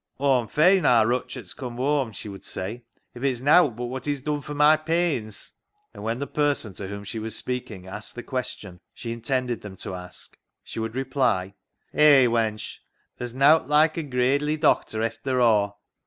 " Aw'm fain aar Rutchart's come whoam," she would say, " if it's nowt but what he's done fur my pains." And when the person to whom VAULTING AMBITION 263 she was speaking asked the question she in tended them to ask, she would reply —" Hay, wench, theer's nowt loike a gradely doctor efther aw.